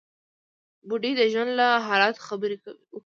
بوډۍ د ژوند له حالاتو خبرې وکړې.